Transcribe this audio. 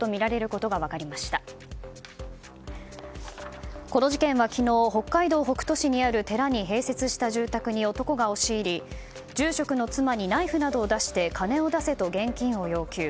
この事件は昨日北海道北斗市にある寺に併設した住宅に男が押し入り住職の妻にナイフなどを出して金を出せと現金を要求。